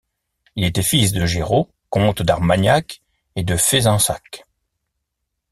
Il était fils de Géraud, comte d'Armagnac et de Fezensac.